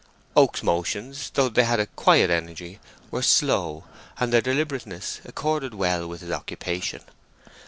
Oak's motions, though they had a quiet energy, were slow, and their deliberateness accorded well with his occupation.